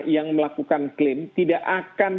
yang melakukan klaim tidak akan